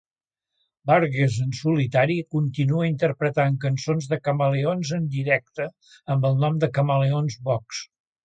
Burgess, en solitari, continua interpretant cançons de Chameleons en directe amb el nom de ChameleonsVox.